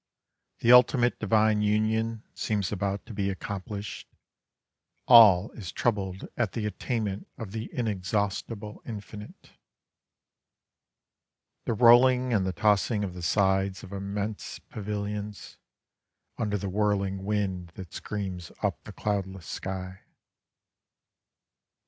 The ultimate divine union seems about to be accomplished, All is troubled at the attainment Of the inexhaustible infinite. The rolling and the tossing of the sides of immense pavilions Under the whirling wind that screams up the cloudless sky.